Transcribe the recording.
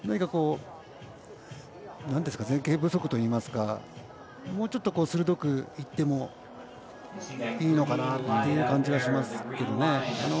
何か、前傾不足といいますかもうちょっと鋭くいってもいいのかなという感じがしますけどね。